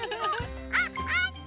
あっあった！